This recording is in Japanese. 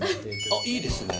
あっいいですね。